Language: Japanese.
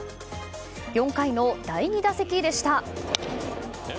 ４回の第２打席でした。